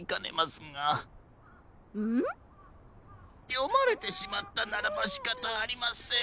よまれてしまったならばしかたありません。